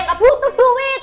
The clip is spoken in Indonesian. gak butuh duit